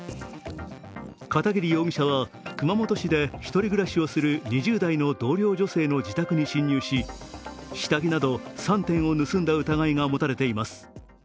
片桐容疑者は熊本市で１人暮らしをする２０代の同僚女性の自宅に侵入し下着など３点を盗んだ疑いが持たれています。